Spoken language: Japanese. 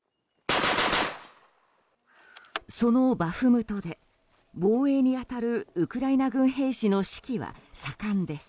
そのバフムトで防衛に当たるウクライナ軍兵士の士気は盛んです。